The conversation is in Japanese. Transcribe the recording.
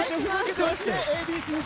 そしてＡ．Ｂ．Ｃ‐Ｚ